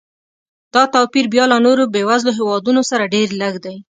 دا توپیر بیا له نورو بېوزلو هېوادونو سره ډېر لږ دی.